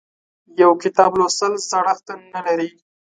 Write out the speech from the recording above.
یو کتاب لوستل زړښت نه لري.